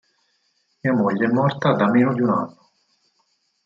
Mia moglie è morta da meno di un anno.